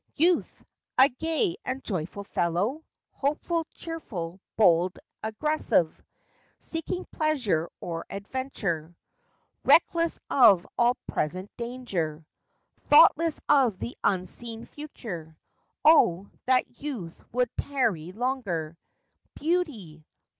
Youth, a gay and joyful fellow ! Hopeful, cheerful, bold, aggressive, Seeking pleasure or adventure ; Reckless of all present danger, Thoughtless of the unseen future;— O, that youth would tarry longer ! Beauty